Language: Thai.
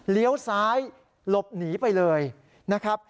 เลี้ยวซ้ายหลบหนีไปเลยนะครับ